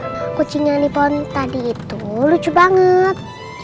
masalahnya kucing yang dipon tadi itu lucu banget